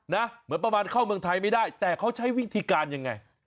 เหมือนประมาณเข้าเมืองไทยไม่ได้แต่เขาใช้วิธีการยังไง